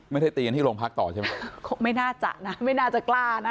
ไม่ได้ตีกันที่โรงพักต่อใช่ไหมไม่น่าจะนะไม่น่าจะกล้านะ